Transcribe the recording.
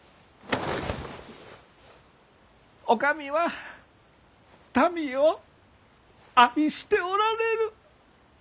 お上は民を愛しておられる。